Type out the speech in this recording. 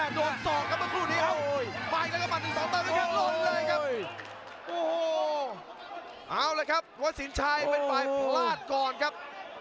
โน้ทสินชายเขิดปลายร้านก่อนครับ